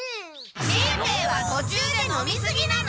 しんべヱはとちゅうで飲みすぎなの！